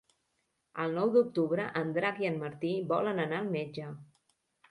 El nou d'octubre en Drac i en Martí volen anar al metge.